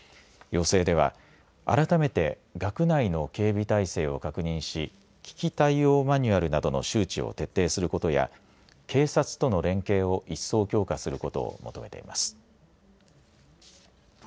要請では、改めて学内の警備体制を確認し危機対応マニュアルなどの周知を徹底することや警察との連携を一層強化することを求めています。